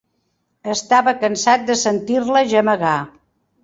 Estava cansat de sentir-la gemegar.